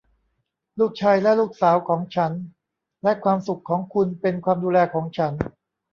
ลูกชายและลูกสาวของฉัน และความสุขของคุณเป็นความดูแลของฉัน